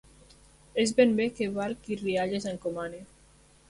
És ben bé que val qui rialles encomana...